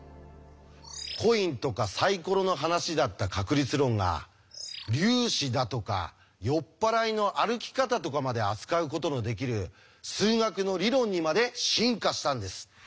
コインとかサイコロの話だった確率論が粒子だとか酔っ払いの歩き方とかまで扱うことのできる数学の理論にまで進化したんです。